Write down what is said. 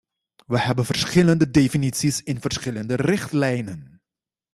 We hebben verschillende definities in verschillende richtlijnen.